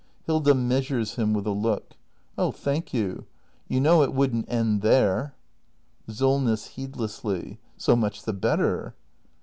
Hilda. [Measures him with a look.] Oh, thank you. You know it wouldn't end there. SOLNESS. [Heedlessly.] So much the better!